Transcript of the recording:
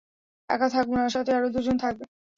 একা থাকব না, সাথে আরো দুজন থাকবে।